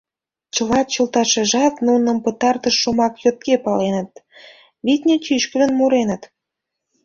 Чыла чолташыжат нуным пытартыш шомак йотке паленыт: витне, чӱчкыдын муреныт!